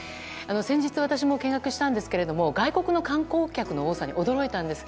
先日、私も見学したんですが外国の観光客の多さに驚いたんです。